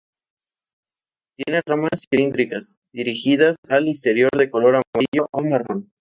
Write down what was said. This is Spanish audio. Tiene ramas cilíndricas, dirigidas al exterior, de color amarillo o marrón.